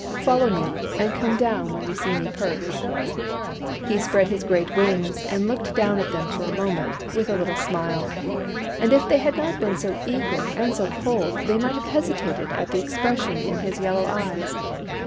Follow me, and come down when you see me perch." He spread his great wings and looked down at them for a moment with a little smile ; and if they had not been so eager and so cold they might have hesitated at the expression in his yellow eyes.